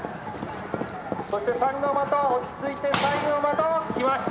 そして三ノ的は落ち着いて最後の的きました。